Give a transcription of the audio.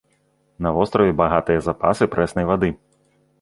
На востраве багатыя запасы прэснай вады.